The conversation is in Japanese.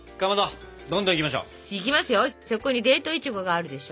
そこに冷凍いちごがあるでしょ？